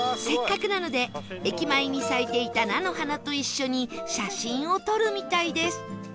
せっかくなので駅前に咲いていた菜の花と一緒に写真を撮るみたいです